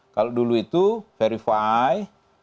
kalau dulu itu verify